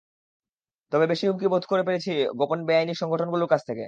তবে বেশি হুমকি বোধ করি পেয়েছি গোপন বেআইনি সংগঠনগুলোর কাছ থেকে।